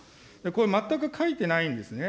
これ、全く書いてないんですね。